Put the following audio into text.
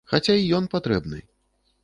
Хаця і ён патрэбны.